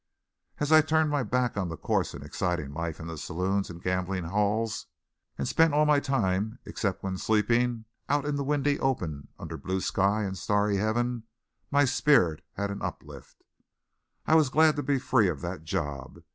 As I turned my back on the coarse and exciting life in the saloons and gambling hells, and spent all my time except when sleeping, out in the windy open under blue sky and starry heaven, my spirit had an uplift. I was glad to be free of that job.